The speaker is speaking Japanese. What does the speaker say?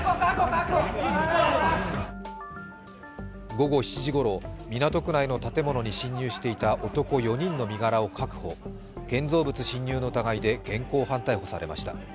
午後７時ごろ、港区内の建物に侵入していた男４人の身柄を確保建造物侵入の疑いで現行犯逮捕されました。